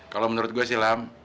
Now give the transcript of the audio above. kalau menurut gue sih lam